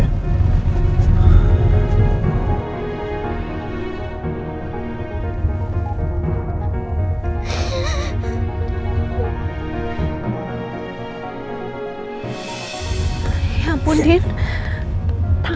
tidak tidak tidak